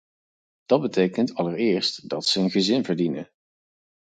Dat betekent allereerst dat ze een gezin verdienen.